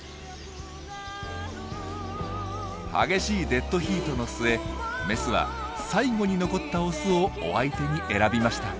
激しいデッドヒートの末メスは最後に残ったオスをお相手に選びました。